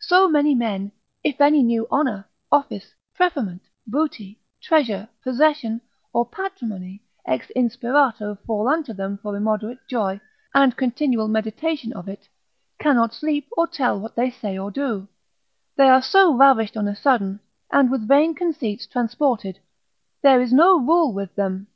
So many men, if any new honour, office, preferment, booty, treasure, possession, or patrimony, ex insperato fall unto them for immoderate joy, and continual meditation of it, cannot sleep or tell what they say or do, they are so ravished on a sudden; and with vain conceits transported, there is no rule with them.